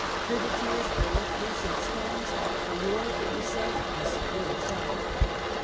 Privateers were let loose in swarms ; the war, it was said, must support itself.